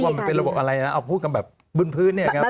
มันเป็นระบบอะไรนะเอาพูดกันแบบบนพื้นเนี่ยครับ